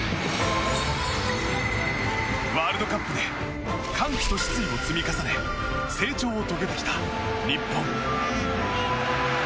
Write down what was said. ワールドカップで歓喜と失意を積み重ね成長を遂げてきた日本。